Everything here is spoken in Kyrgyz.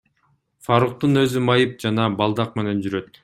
Фаруктун өзү майып жана балдак менен жүрөт.